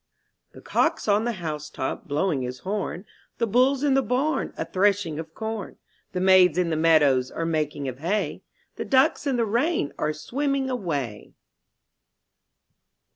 TPHE cock's on the housetop blowing his horn; *• The buirs in the barn a threshing of corn; The maids in the meadows are making of hay; The ducks in the rain are swimming away J ^^^g^ ^ MAHCAnCT «i>*.